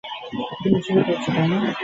এই প্রসঙ্গে তিনি একটি কথাও বলছেন না।